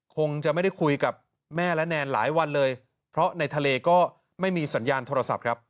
คงจะไม่ได้คุยกับแม่และแนนหลายวันเลยเพราะในทะเลก็ไม่มีสัญญาณโทรศัพท์ครับ